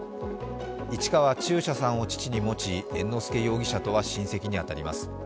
市川中車さんを父に持ち猿之助容疑者とは親戚に当たります。